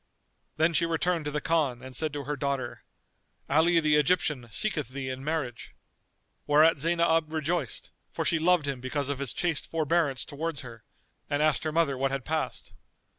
Then she returned to the Khan and said to her daughter, "Ali the Egyptian seeketh thee in marriage." Whereat Zaynab rejoiced, for she loved him because of his chaste forbearance towards her,[FN#242] and asked her mother what had passed.